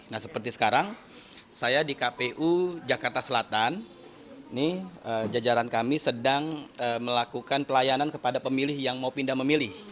nah seperti sekarang saya di kpu jakarta selatan ini jajaran kami sedang melakukan pelayanan kepada pemilih yang mau pindah memilih